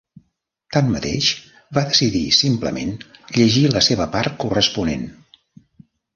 Tanmateix, va decidir simplement llegir la seva part corresponent.